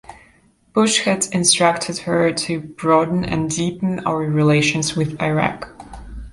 Bush had instructed her to broaden and deepen our relations with Iraq.